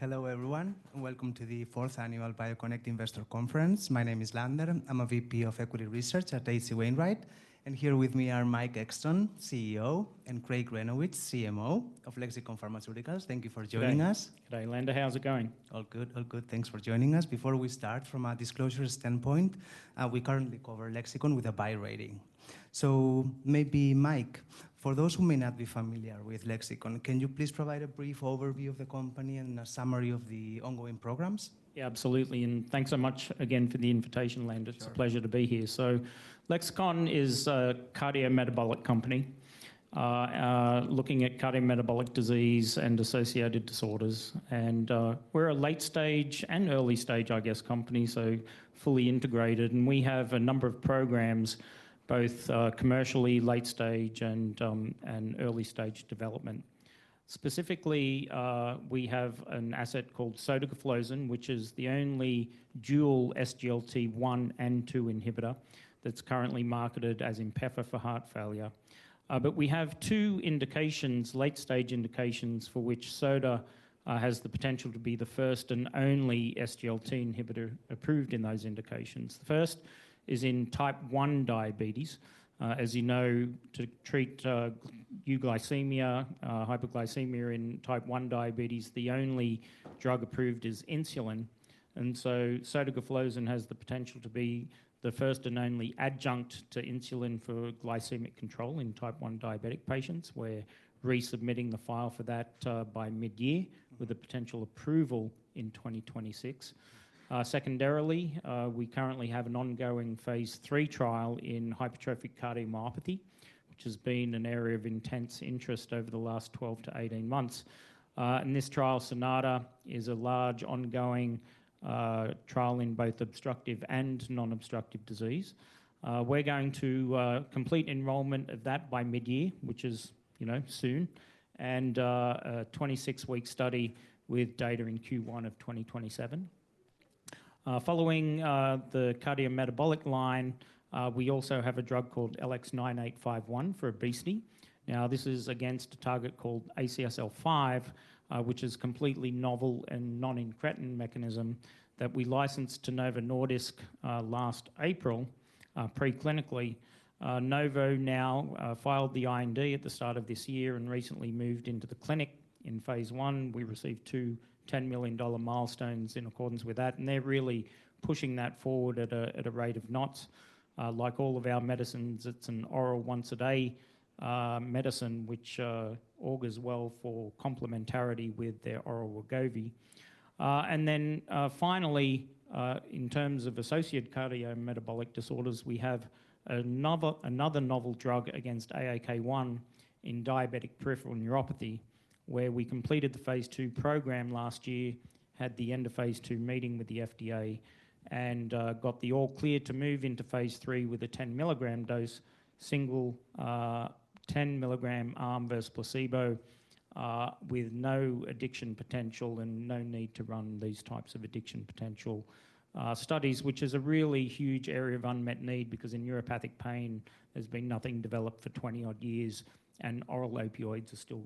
Hello, everyone, and welcome to the fourth annual BioConnect Investor Conference. My name is Lander. I'm a VP of Equity Research at H.C. Wainwright, and here with me are Mike Exton, CEO, and Craig Granowitz, CMO of Lexicon Pharmaceuticals. Thank you for joining us. Good day. Good day, Lander. How's it going? All good. All good. Thanks for joining us. Before we start, from a disclosure standpoint, we currently cover Lexicon with a buy rating. Maybe, Mike, for those who may not be familiar with Lexicon, can you please provide a brief overview of the company and a summary of the ongoing programs? Yeah, absolutely. Thanks so much again for the invitation, Lander. Sure. It's a pleasure to be here. Lexicon is a cardiometabolic company looking at cardiometabolic disease and associated disorders. We're a late-stage and early-stage company, so fully integrated. We have a number of programs both commercially late-stage and early-stage development. Specifically, we have an asset called sotagliflozin, which is the only dual SGLT1 and SGLT2 inhibitor that's currently marketed as INPEFA for heart failure. But we have two indications, late-stage indications, for which sotagliflozin has the potential to be the first and only SGLT inhibitor approved in those indications. The first is in Type 1 Diabetes. As you know, to treat euglycemia, hyperglycemia in Type 1 Diabetes, the only drug approved is insulin. Sotagliflozin has the potential to be the first and only adjunct to insulin for glycemic control in type 1 diabetic patients. We're resubmitting the file for that by mid-year with a potential approval in 2026. Secondarily, we currently have an ongoing phase III trial in hypertrophic cardiomyopathy, which has been an area of intense interest over the last 12-18 months. This trial, SONATA, is a large ongoing trial in both obstructive and non-obstructive disease. We're going to complete enrollment of that by mid-year, which is, you know, soon, and a 26-week study with data in Q1 of 2027. Following the cardiometabolic line, we also have a drug called LX9851 for obesity. This is against a target called ACSL5, which is completely novel and non-incretin mechanism that we licensed to Novo Nordisk last April preclinically. Novo now filed the IND at the start of this year and recently moved into the clinic in phase I. We received two $10-million milestones in accordance with that, they're really pushing that forward at a rate of knots. Like all of our medicines, it's an oral once-a-day medicine which augurs well for complementarity with their oral Wegovy. Finally, in terms of associate cardiometabolic disorders, we have another novel drug against AAK1 in diabetic peripheral neuropathy, where we completed the phase II program last year, had the end-of-phase II meeting with the FDA, and got the all clear to move into phase III with a 10-mg dose, single 10-mg arm versus placebo, with no addiction potential and no need to run these types of addiction potential studies, which is a really huge area of unmet need because in neuropathic pain, there's been nothing developed for 20-odd years, and oral opioids are still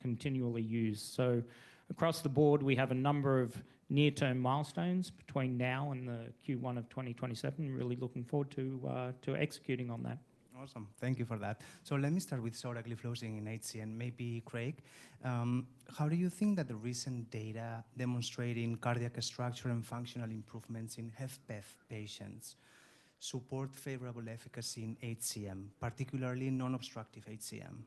continually used. Across the board, we have a number of near-term milestones between now and the Q1 of 2027. Really looking forward to executing on that. Awesome. Thank you for that. Let me start with sotagliflozin in HCM. Maybe Craig, how do you think that the recent data demonstrating cardiac structure and functional improvements in HFpEF patients support favorable efficacy in HCM, particularly non-obstructive HCM?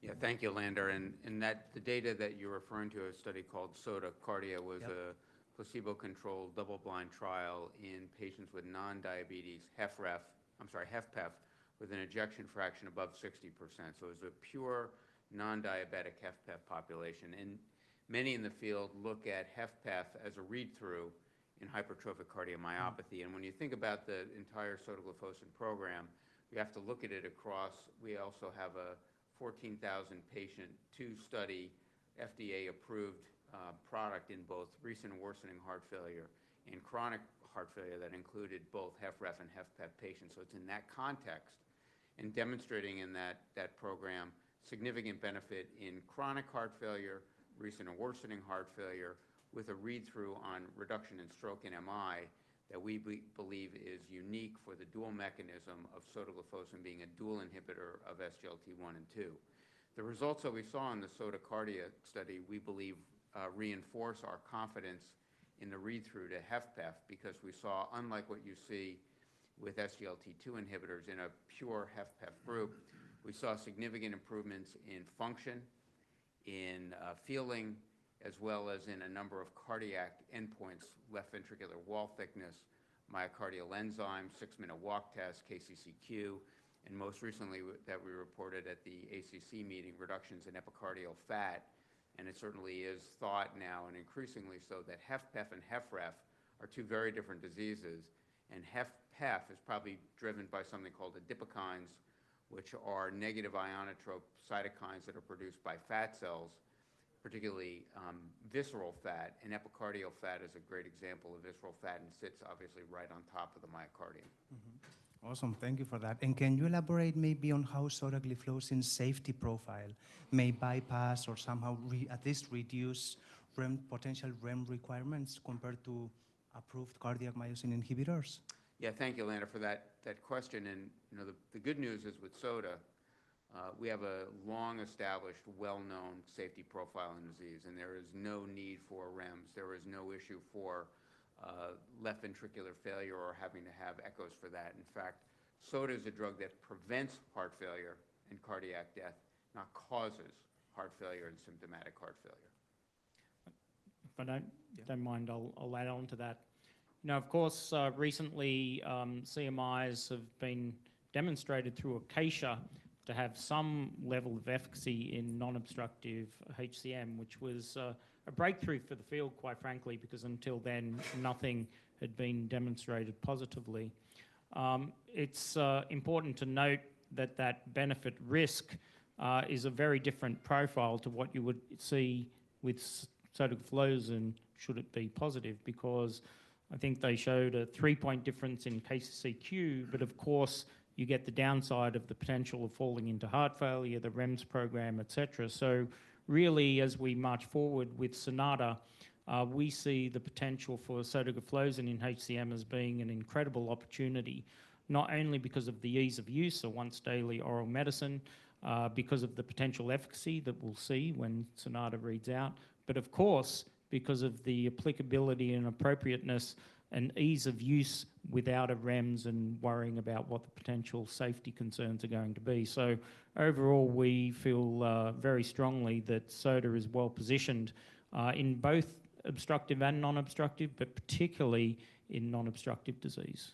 Yeah. Thank you, Lander. That the data that you're referring to, a study called SOTA-P-CARDIA. Yeah was a placebo-controlled double-blind trial in patients with non-diabetes HFpEF, with an ejection fraction above 60%. It was a pure non-diabetic HFpEF population. Many in the field look at HFpEF as a read-through in hypertrophic cardiomyopathy. When you think about the entire sotagliflozin program, we also have a 14,000-patient 2-study FDA-approved product in both recent worsening heart failure and chronic heart failure that included both HFrEF and HFpEF patients. It's in that context and demonstrating in that program significant benefit in chronic heart failure, recent and worsening heart failure with a read-through on reduction in stroke and MI that we believe is unique for the dual mechanism of sotagliflozin being a dual inhibitor of SGLT1 and SGLT2. The results that we saw in the SOTA-P-CARDIA study, we believe, reinforce our confidence in the read-through to HFpEF because we saw, unlike what you see with SGLT2 inhibitors in a pure HFpEF group, we saw significant improvements in function, in feeling, as well as in a number of cardiac endpoints, left ventricular wall thickness, myocardial enzyme, six-minute walk test, KCCQ, and most recently that we reported at the ACC meeting, reductions in epicardial fat. It certainly is thought now, and increasingly so, that HFpEF and HFrEF are two very different diseases, and HFpEF is probably driven by something called adipokines, which are negative inotropic cytokines that are produced by fat cells, particularly visceral fat, and epicardial fat is a great example of visceral fat and sits obviously right on top of the myocardium. Awesome. Thank you for that. Can you elaborate maybe on how sotagliflozin safety profile may bypass or somehow at least reduce potential REMS requirements compared to approved Cardiac Myosin Inhibitors? Thank you, Lander, for that question. You know, the good news is with Sota, we have a long-established, well-known safety profile in disease, and there is no need for REMS. There is no issue for left ventricular failure or having to have echoes for that. In fact, Sota is a drug that prevents heart failure and cardiac death, not causes heart failure and symptomatic heart failure. If I don't- Yeah don't mind, I'll add on to that. Of course, recently, CMIs have been demonstrated through ACACIA-HCM to have some level of efficacy in non-obstructive HCM, which was a breakthrough for the field, quite frankly, because until then, nothing had been demonstrated positively. It's important to note that that benefit risk is a very different profile to what you would see with sotagliflozin should it be positive because I think they showed a three-point difference in KCCQ. Of course, you get the downside of the potential of falling into heart failure, the REMS program, et cetera. Really, as we march forward with Sonata, we see the potential for sotagliflozin in HCM as being an incredible opportunity, not only because of the ease of use, a once-daily oral medicine, because of the potential efficacy that we'll see when Sonata reads out, but of course, because of the applicability and appropriateness and ease of use without a REMS and worrying about what the potential safety concerns are going to be. Overall, we feel very strongly that Sota is well-positioned in both obstructive and non-obstructive, but particularly in non-obstructive disease.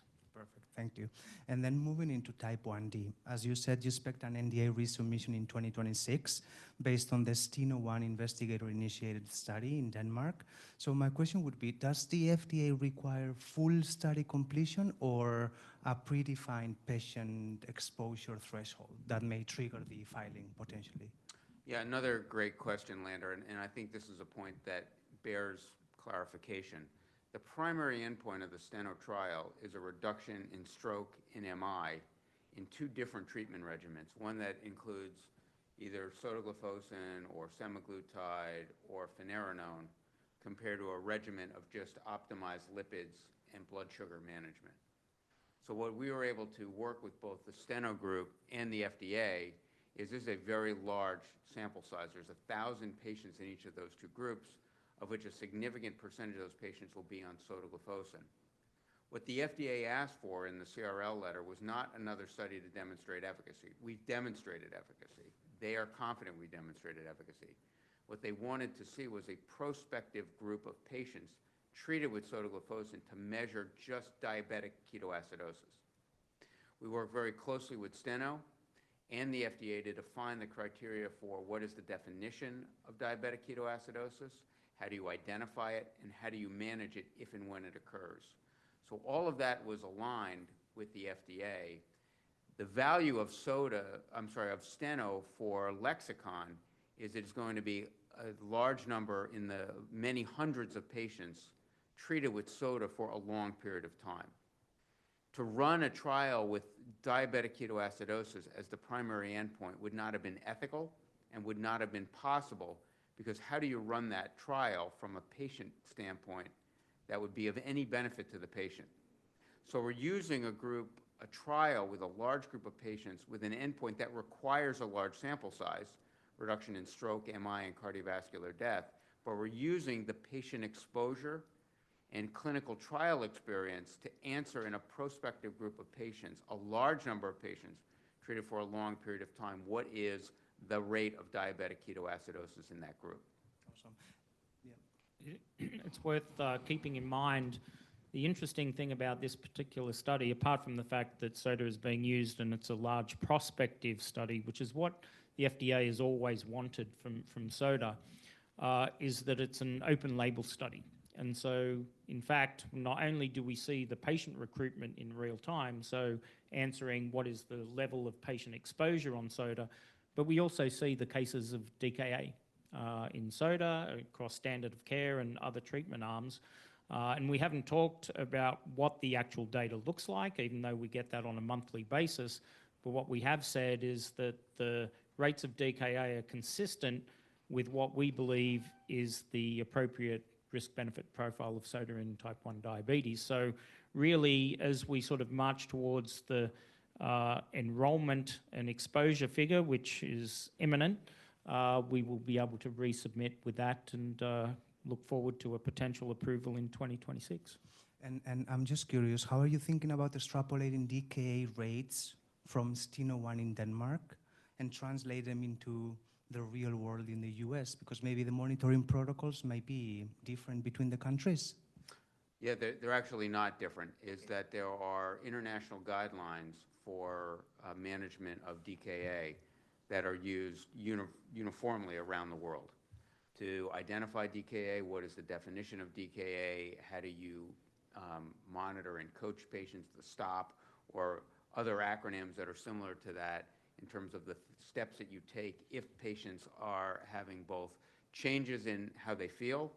Perfect. Thank you. Moving into Type 1D. As you said, you expect an NDA resubmission in 2026 based on the Steno 1 investigator-initiated study in Denmark. My question would be, does the FDA require full study completion or a predefined patient exposure threshold that may trigger the filing potentially? Yeah, another great question, Lander, and I think this is a point that bears clarification. The primary endpoint of the STENO-2 trial is a reduction in stroke and MI in two different treatment regimens, one that includes either sotagliflozin or semaglutide or fenofibrate compared to a regimen of just optimized lipids and blood sugar management. What we were able to work with both the Steno-2 group and the FDA is this a very large sample size. There's a 1,000 patients in each of those two groups, of which a significant percentage of those patients will be on sotagliflozin. What the FDA asked for in the CRL letter was not another study to demonstrate efficacy. We demonstrated efficacy. They are confident we demonstrated efficacy. What they wanted to see was a prospective group of patients treated with sotagliflozin to measure just diabetic ketoacidosis. We worked very closely with Steno-2 and the FDA to define the criteria for what is the definition of diabetic ketoacidosis, how do you identify it, and how do you manage it if and when it occurs. All of that was aligned with the FDA. The value of Steno-2 for Lexicon is it's going to be a large number in the many hundreds of patients treated with Sota for a long period of time. To run a trial with diabetic ketoacidosis as the primary endpoint would not have been ethical and would not have been possible, because how do you run that trial from a patient standpoint that would be of any benefit to the patient? We're using a group, a trial with a large group of patients with an endpoint that requires a large sample size, reduction in stroke, MI, and cardiovascular death, but we're using the patient exposure and clinical trial experience to answer in a prospective group of patients, a large number of patients treated for a long period of time, what is the rate of diabetic ketoacidosis in that group? Awesome. Yeah. It's worth keeping in mind the interesting thing about this particular study, apart from the fact that Sota is being used and it's a large prospective study, which is what the FDA has always wanted from Sota, is that it's an open label study. In fact, not only do we see the patient recruitment in real time, so answering what is the level of patient exposure on Sota, but we also see the cases of DKA in Sota across standard of care and other treatment arms. We haven't talked about what the actual data looks like, even though we get that on a monthly basis. What we have said is that the rates of DKA are consistent with what we believe is the appropriate risk-benefit profile of Sota in Type 1 Diabetes. Really, as we sort of march towards the enrollment and exposure figure, which is imminent, we will be able to resubmit with that and look forward to a potential approval in 2026. I'm just curious, how are you thinking about extrapolating DKA rates from Steno 1 in Denmark and translate them into the real world in the U.S.? Because maybe the monitoring protocols might be different between the countries. Yeah. They're actually not different. Okay. It's that there are international guidelines for management of DKA that are used uniformly around the world to identify DKA, what is the definition of DKA, how do you monitor and coach patients to stop or other acronyms that are similar to that in terms of the steps that you take if patients are having both changes in how they feel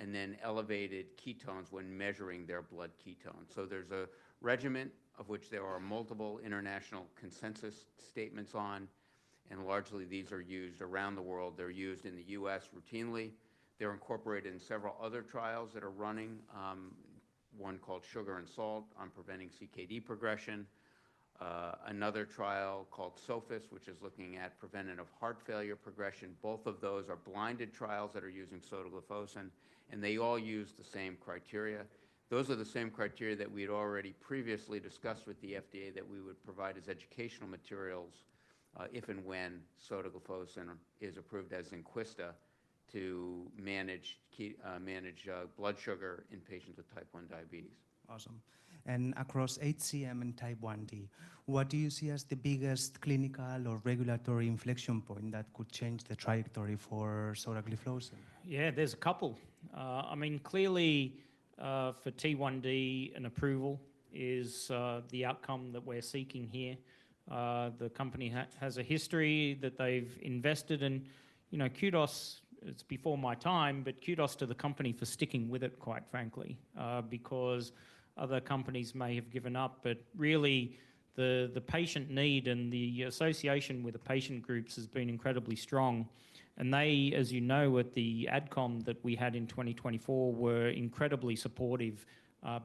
Then elevated ketones when measuring their blood ketones. There's a regimen of which there are multiple international consensus statements on, and largely these are used around the world. They're used in the U.S. routinely. They're incorporated in several other trials that are running, one called SUGARNSALT on preventing CKD progression. Another trial called SOPHIST, which is looking at preventative heart failure progression. Both of those are blinded trials that are using sotagliflozin, and they all use the same criteria. Those are the same criteria that we had already previously discussed with the FDA that we would provide as educational materials, if and when sotagliflozin is approved as INPEFA to manage blood sugar in patients with Type 1 Diabetes. Awesome. Across HCM and T1D, what do you see as the biggest clinical or regulatory inflection point that could change the trajectory for sotagliflozin? Yeah, there's a couple. I mean, clearly, for T1D, an approval is the outcome that we're seeking here. The company has a history that they've invested in. You know, kudos, it's before my time, kudos to the company for sticking with it, quite frankly, because other companies may have given up. Really the patient need and the association with the patient groups has been incredibly strong. They, as you know, at the AdCom that we had in 2024, were incredibly supportive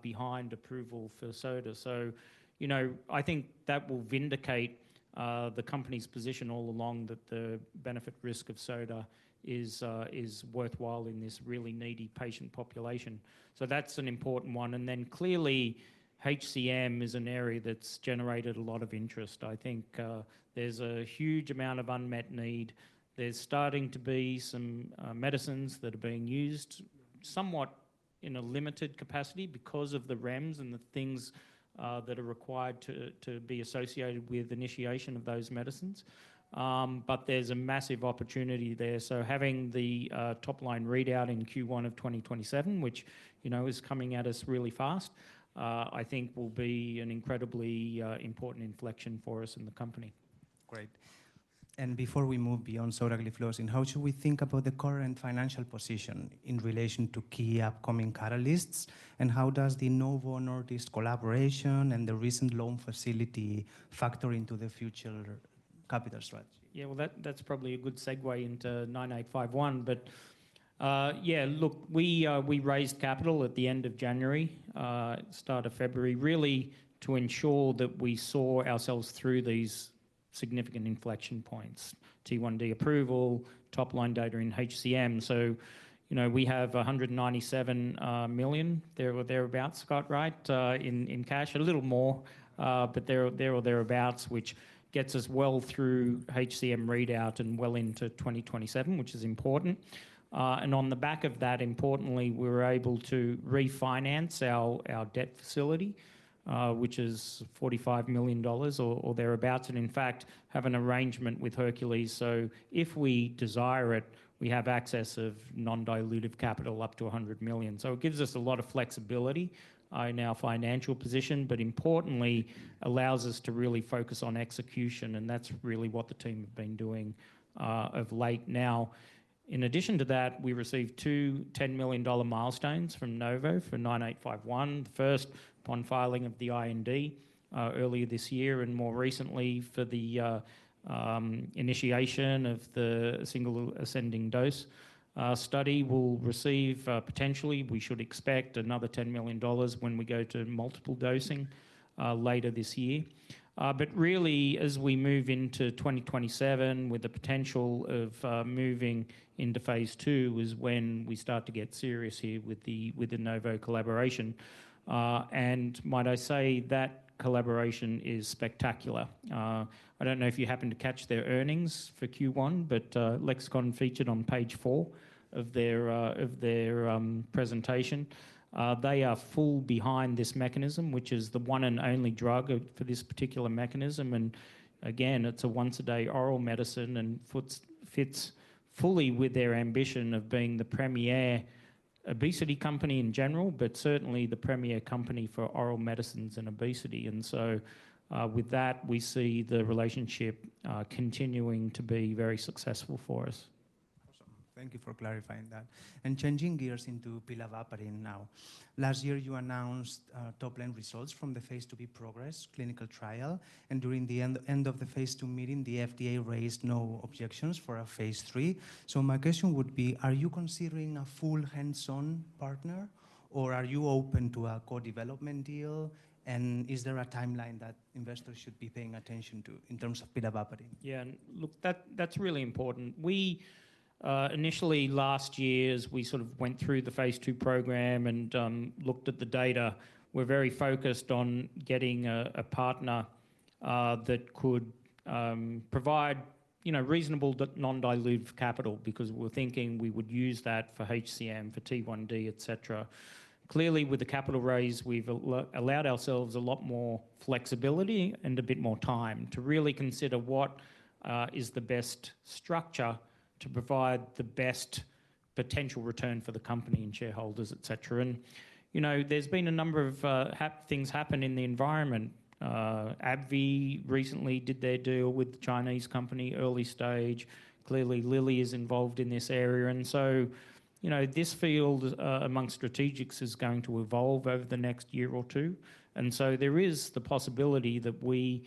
behind approval for sotagliflozin. You know, I think that will vindicate the company's position all along that the benefit risk of sotagliflozin is worthwhile in this really needy patient population. That's an important one. Then clearly HCM is an area that's generated a lot of interest. I think, there's a huge amount of unmet need. There's starting to be some medicines that are being used somewhat in a limited capacity because of the REMS and the things that are required to be associated with initiation of those medicines. But there's a massive opportunity there. Having the top line readout in Q1 of 2027, which, you know, is coming at us really fast, I think will be an incredibly important inflection for us and the company. Great. Before we move beyond sotagliflozin, how should we think about the current financial position in relation to key upcoming catalysts? How does the Novo Nordisk collaboration and the recent loan facility factor into the future capital strategy? Well, that's probably a good segue into LX9851. Look, we raised capital at the end of January, start of February, really to ensure that we saw ourselves through these significant inflection points, T1D approval, top line data in HCM. You know, we have $197 million, there or thereabouts, Scott, right, in cash, a little more. There or thereabouts, which gets us well through HCM readout and well into 2027, which is important. On the back of that, importantly, we were able to refinance our debt facility, which is $45 million or thereabouts, and in fact, have an arrangement with Hercules. If we desire it, we have access of non-dilutive capital up to $100 million. It gives us a lot of flexibility in our financial position, but importantly allows us to really focus on execution, and that's really what the team have been doing of late now. In addition to that, we received two $10 million milestones from Novo for LX9851. First, upon filing of the IND earlier this year, and more recently for the initiation of the single ascending dose. Our study will receive, potentially, we should expect another $10 million when we go to multiple dosing later this year. Really, as we move into 2027 with the potential of moving into phase II is when we start to get serious here with the Novo collaboration. Might I say that collaboration is spectacular. I don't know if you happened to catch their earnings for Q1, but Lexicon featured on page four of their of their presentation. They are full behind this mechanism, which is the 1 and only drug for this particular mechanism. Again, it's a once a day oral medicine and fits fully with their ambition of being the premier obesity company in general, but certainly the premier company for oral medicines and obesity. With that, we see the relationship continuing to be very successful for us. Awesome. Thank you for clarifying that. Changing gears into pilavapadin now. Last year, you announced top line results from the phase II-B PROGRESS clinical trial, during the end of the phase II meeting, the FDA raised no objections for a phase III. My question would be, are you considering a full hands-on partner, or are you open to a co-development deal? Is there a timeline that investors should be paying attention to in terms of pilavapadin? Look, that's really important. We initially last year, as we sort of went through the phase II program and looked at the data, were very focused on getting a partner that could provide, you know, reasonable but non-dilutive capital because we were thinking we would use that for HCM, for T1D, et cetera. Clearly, with the capital raise, we've allowed ourselves a lot more flexibility and a bit more time to really consider what is the best potential return for the company and shareholders, et cetera. You know, there's been a number of things happen in the environment. AbbVie recently did their deal with the Chinese company early stage. Clearly Lilly is involved in this area. You know, this field among strategics is going to evolve over the next year or two. There is the possibility that we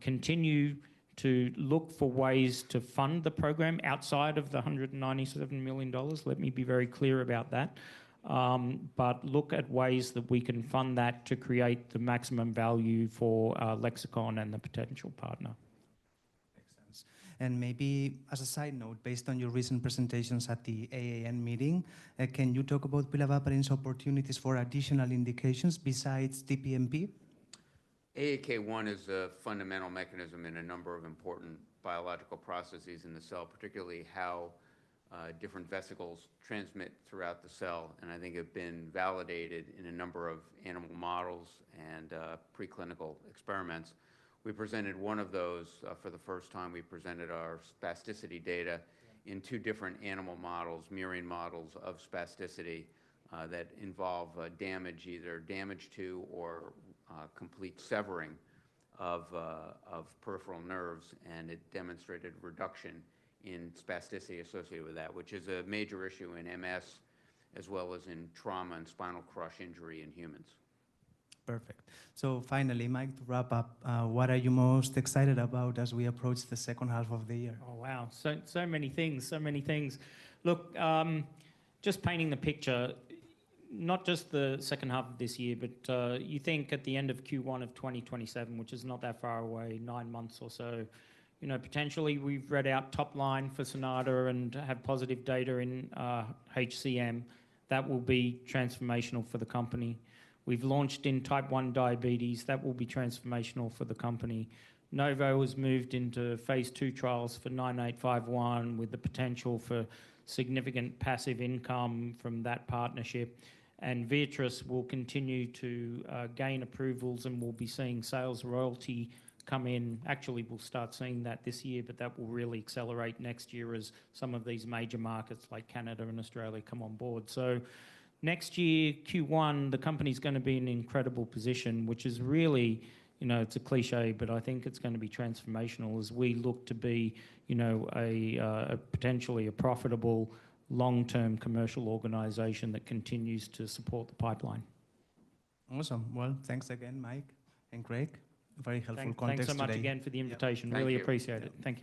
continue to look for ways to fund the program outside of the $197 million. Let me be very clear about that. Look at ways that we can fund that to create the maximum value for Lexicon and the potential partner. Makes sense. Maybe as a side note, based on your recent presentations at the AAN meeting, can you talk about pilavapadin's opportunities for additional indications besides DPNP? AAK1 is a fundamental mechanism in a number of important biological processes in the cell, particularly how different vesicles transmit throughout the cell, and I think have been validated in a number of animal models and preclinical experiments. We presented one of those for the first time. We presented our spasticity data in two different animal models, mirroring models of spasticity that involve damage, either damage to or complete severing of peripheral nerves, and it demonstrated reduction in spasticity associated with that, which is a major issue in MS as well as in trauma and spinal crush injury in humans. Perfect. Finally, Mike, to wrap up, what are you most excited about as we approach the second half of the year? Oh, wow. Many things. Many things. Look, just painting the picture, not just the second half of this year, but you think at the end of Q1 of 2027, which is not that far away, 9 months or so, you know, potentially we've read out top line for Sonata and had positive data in HCM. That will be transformational for the company. We've launched in Type 1 Diabetes. That will be transformational for the company. Novo has moved into phase II trials for 9851 with the potential for significant passive income from that partnership. Viatris will continue to gain approvals, and we'll be seeing sales royalty come in. Actually, we'll start seeing that this year, that will really accelerate next year as some of these major markets like Canada and Australia come on board. Next year, Q1, the company's gonna be in an incredible position, which is really, you know, it's a cliché, but I think it's gonna be transformational as we look to be, you know, a potentially a profitable long-term commercial organization that continues to support the pipeline. Awesome. Well, thanks again, Mike and Craig Granowitz. Very helpful context today. Thanks so much again for the invitation. Yeah. Thank you. Really appreciate it. Thank you.